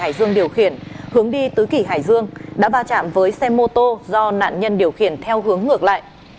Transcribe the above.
hải dương điều khiển hướng đi tứ kỳ hải dương đã va chạm với xe mô tô do nạn nhân điều khiển theo hướng ngược lại